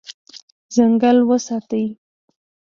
ځنګل وساتئ.